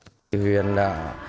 chỉ huyện đã